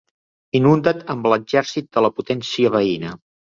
Inundat amb l'exèrcit de la potència veïna.